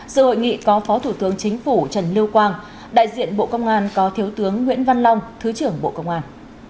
sự hội nghị có phó thủ tướng chính phủ trần lưu quang đại diện bộ công an có thiếu tướng nguyễn văn long thứ trưởng bộ công an